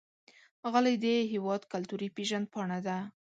غالۍ د هېواد کلتوري پیژند پاڼه ده.